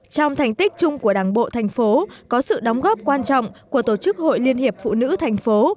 trong thành tích chung của đảng bộ thành phố có sự đóng góp quan trọng của tổ chức hội liên hiệp phụ nữ thành phố